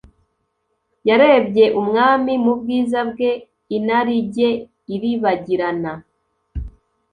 Yarebye Umwami mu bwiza Bwe, inarijye iribagirana.